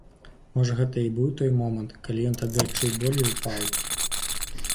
Можа, гэта і быў той момант, калі ён тады адчуў боль і ўпаў.